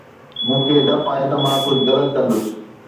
مون کي ڊپ آهي ته مان ڪجهه غلط ڪندس